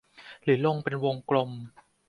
หรือลงเป็นวงกลม